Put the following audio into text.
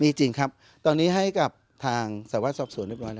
มีจริงครับตอนนี้ให้กับทางสวรสอบสวนเรียบร้อยแล้ว